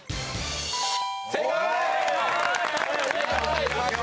正解！